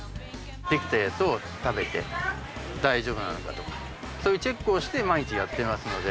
できたやつを食べて大丈夫なのかとかそういうチェックをして毎日やってますので。